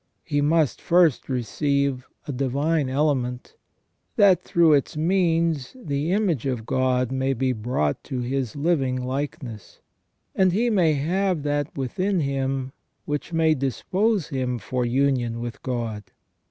He must first receive a divine element, that through its means the image of God may be brought to His living likeness, and he may have that within him which may dispose him for union with God.